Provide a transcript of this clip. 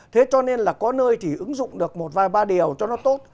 thế cho nên là có nơi thì ứng dụng được một vài ba điều cho nó tốt